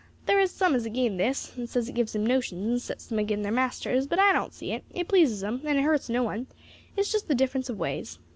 There is some as is agin this, and says it gives 'em notions, and sets them agin their masters; but I don't see it: it pleases 'em, and it hurts no one; it's just the difference of ways.